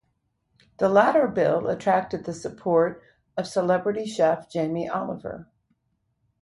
The latter bill attracted the support of celebrity chef Jamie Oliver.